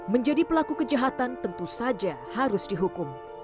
menjadi pelaku kejahatan tentu saja harus dihukum